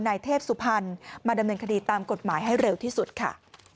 นายเทพสุพรรณมาดำเนินคดีตามกฎหมายให้เร็วที่สุดค่ะ